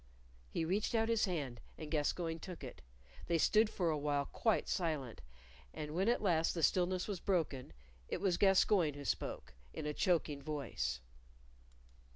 He reached out his hand, and Gascoyne took it. They stood for a while quite silent, and when at last the stillness was broken, it was Gascoyne who spoke, in a choking voice.